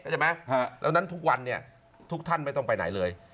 ใช่ไหมแล้วนั้นทุกวันทุกท่านไม่ต้องไปไหนเลย